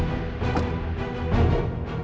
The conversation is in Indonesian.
jin minta b flak